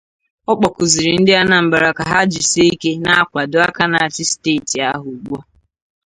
Ọ kpọkuzịrị Ndị Anambra ka ha jisie ike na-akwàdo aka na-achị steeti ahụ ugbua